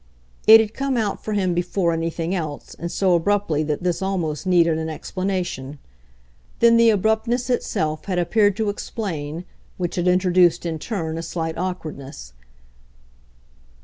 It had come out for him before anything else, and so abruptly that this almost needed an explanation. Then the abruptness itself had appeared to explain which had introduced, in turn, a slight awkwardness.